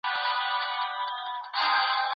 ما ته د طالب جان او ګلبشرې کیسه ډېره په زړه پوري وه.